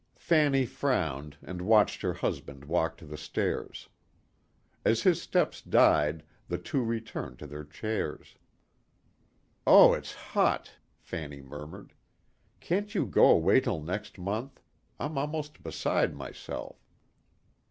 Fanny frowned and watched her husband walk to the stairs. As his steps died the two returned to their chairs. "Oh it's hot," Fanny murmured. "Can't you go away till next month. I'm almost beside myself."